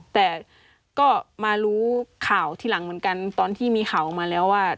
แต่ก็มารู้ข่าวทีหลังเหมือนกันตอนที่มีข่าวออกมาแล้วว่า